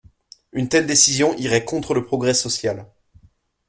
Une telle décision irait contre le progrès social.